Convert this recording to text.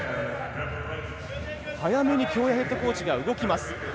早めに京谷ヘッドコーチが動きます。